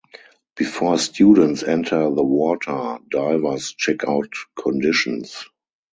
Before students enter the water, divers check out conditions.